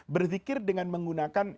berzikir dengan menggunakan